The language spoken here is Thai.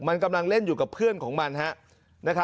มันกำลังเล่นอยู่กับเพื่อนของมัน